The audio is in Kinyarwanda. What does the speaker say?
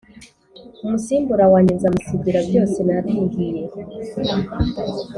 Umusimbura wanjye nzamusigira byose narihiye